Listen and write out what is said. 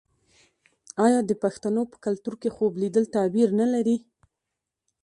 آیا د پښتنو په کلتور کې خوب لیدل تعبیر نلري؟